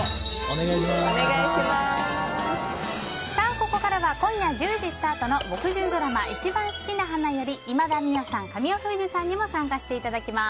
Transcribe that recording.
ここからは今夜１０時スタートの木１０ドラマ「いちばんすきな花」より今田美桜さん、神尾楓珠さんにも参加していただきます。